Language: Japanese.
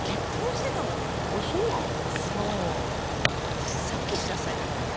私さっき知らされたからね。